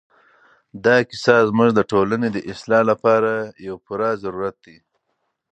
دا کیسه زموږ د ټولنې د اصلاح لپاره یو پوره ضرورت دی.